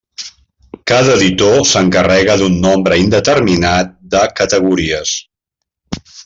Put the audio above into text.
Cada editor s'encarrega d'un nombre indeterminat de categories.